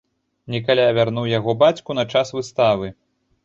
Нікаля вярнуў яго бацьку на час выставы.